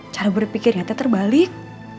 cara berpikirnya teh terbalik